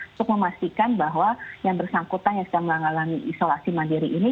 untuk memastikan bahwa yang bersangkutan yang sedang mengalami isolasi mandiri ini